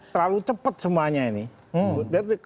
terlalu cepat semuanya ini